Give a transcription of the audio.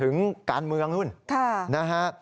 ถึงการเมืองเนอะครับ